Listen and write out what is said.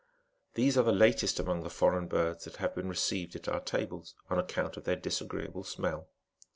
These are the latest among the foreign birds that have been received at our tables, on account of their disagreeable smell.